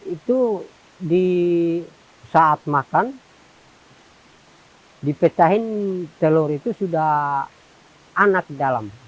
itu di saat makan dipetahin telur itu sudah anak dalam